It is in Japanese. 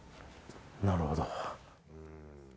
なるほど。